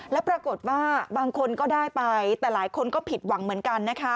แล้วปรากฏว่าบางคนก็ได้ไปแต่หลายคนก็ผิดหวังเหมือนกันนะคะ